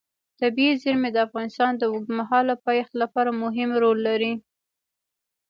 طبیعي زیرمې د افغانستان د اوږدمهاله پایښت لپاره مهم رول لري.